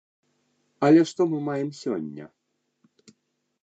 Але што мы маем сёння?